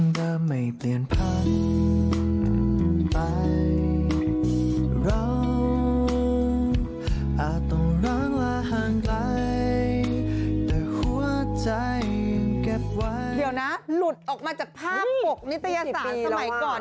เดี๋ยวนะหลุดออกมาจากภาพปกนิตยสารสมัยก่อน